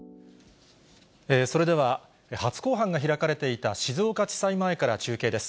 それでは、初公判が開かれていた静岡地裁前から中継です。